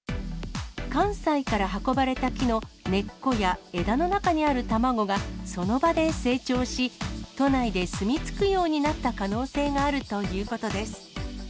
関西から運ばれた木の根っこや枝の中にある卵がその場で成長し、都内で住み着くようになった可能性があるということです。